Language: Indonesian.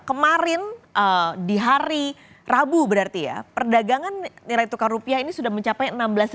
kemarin di hari rabu berarti ya perdagangan nilai tukar rupiah ini sudah mencapai enam belas lima ratus